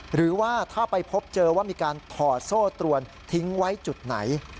หรือว่าถ้าไปพบเจอว่ามีการถอดโซ่ตรวนทิ้งไว้จุดไหน